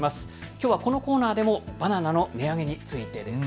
きょうはこのコーナーでもバナナの値上げについてです。